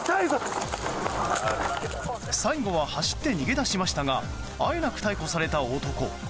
最後は走って逃げ出しましたがあえなく逮捕された男。